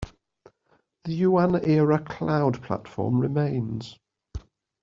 The Yuan era Cloud Platform remains.